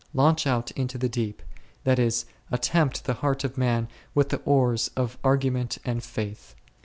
Launch out into the deep f that is, attempt the heart of man with the oars of argument and faith.